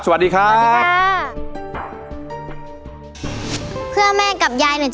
สวัสดีค่ะ